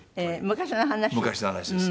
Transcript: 昔の話です。